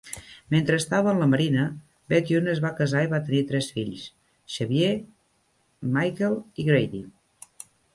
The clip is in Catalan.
Mentre estava en la Marina, Bethune es va casar i va tenir tres fills, Xavier, Michael i Grady.